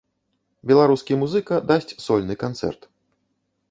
Беларускі музыка дасць сольны канцэрт.